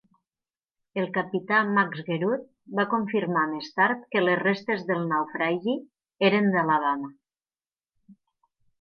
El capità Max Guerout va confirmar més tard que les restes del naufragi eren de "Alabama".